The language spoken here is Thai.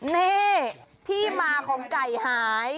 นี่ที่มาของไก่หาย